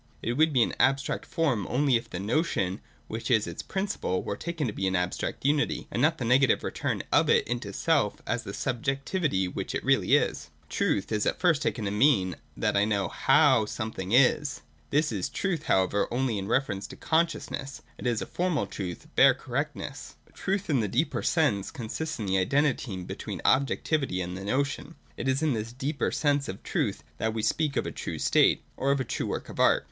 It would be an abstract form, only if the notion, which is its principle, were taken as an abstract unity, and not as the nega tive return of it into self and as the subjectivity which it really is. Truth is at first taken to mean that I know how something is. This is truth, however, only in reference to conscious VOL. II. A a 354 1HE DOCTRINE OF THE NOTION. [213. ness ; it is formal truth, bare correctness. Truth in the deeper sense consists in the identity between objectivity and the notion. It is in this deeper sense of truth that we speak of a true state, or of a true worlc of art.